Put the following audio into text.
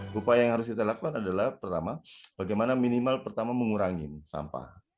upaya yang harus kita lakukan adalah pertama bagaimana minimal pertama mengurangi sampah